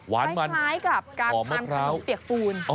ว้านมันคล้ายกับการทานขนมเตียกปูน